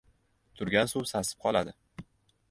• Turgan suv sasib qoladi.